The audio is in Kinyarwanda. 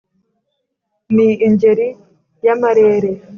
Ni ingeri y'amarere